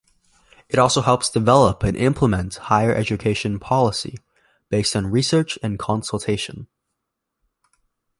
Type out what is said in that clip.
It also helps develop and implement higher education policy, based on research and consultation.